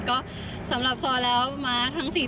ก็สำหรับซอลแล้วม้าทั้ง๔ตัว